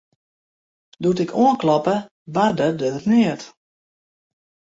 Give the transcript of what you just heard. Doe't ik oankloppe, barde der neat.